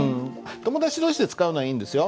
友達同士で使うのはいいんですよ。